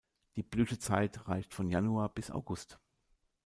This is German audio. Die Blütezeit reicht von Januar bis August.